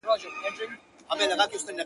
ښه يې زما دي، بد يې زما دي، هر څه زما دي!.